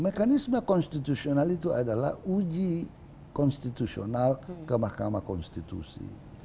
mekanisme konstitusional itu adalah uji konstitusional ke mahkamah konstitusi